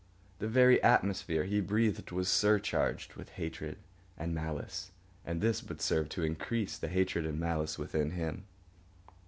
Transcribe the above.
The very atmosphere he breathed was surcharged with hatred and malice, and this but served to increase the hatred and malice within him.